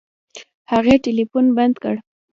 هغې ټلفون بند کړ.